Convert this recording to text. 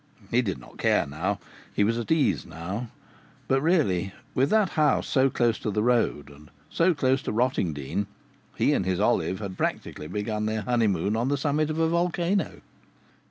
He did not care now he was at ease now but really, with that house so close to the road and so close to Rottingdean, he and his Olive had practically begun their honeymoon on the summit of a volcano!